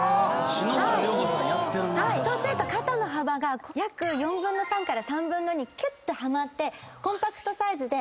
そうすると肩の幅が約４分の３から３分の２キュッてはまってコンパクトサイズで。